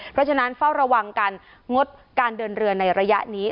เพราะฉะนั้นเฝ้าระวังกันงดการเดินเรือในระยะนี้